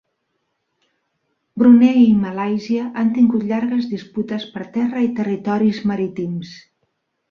Brunei i Malàisia han tingut llargues disputes per terra i territoris marítims.